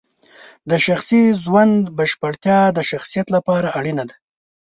د شخصي ژوند بشپړتیا د شخصیت لپاره اړینه ده.